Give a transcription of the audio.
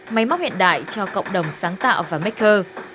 máy móc hiện đại cho cộng đồng sáng tạo và macer